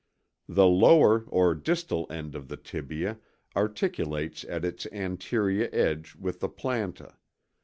The lower or distal end of the tibia articulates at its anterior edge with the planta.